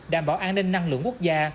đảm bảo an ninh năng lượng quốc gia